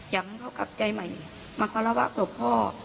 อยากให้เขากลับใจใหม่มาคารวะศพพ่อ